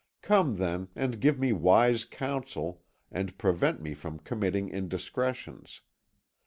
Come, then, and give me wise counsel, and prevent me from committing indiscretions.